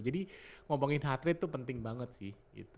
jadi ngomongin heart rate tuh penting banget sih